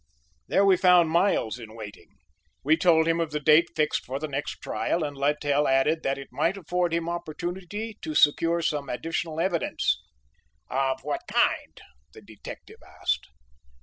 There we found Miles in waiting. We told him of the date fixed for the next trial, and Littell added that it might afford him opportunity to secure some additional evidence. "Of what kind?" the detective asked.